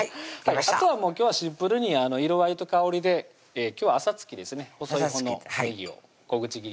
あとは今日はシンプルに色合いと香りで今日はあさつきですね細いほうのおねぎを小口切りにしております